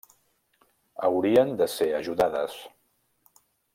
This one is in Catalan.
Haurien de ser ajudades.